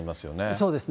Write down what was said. そうですね。